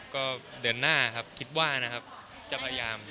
ก็เดือนหน้าครับคิดว่านะครับจะพยายาม